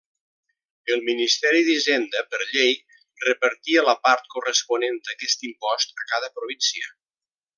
El Ministeri d'Hisenda, per llei, repartia la part corresponent d'aquest impost a cada província.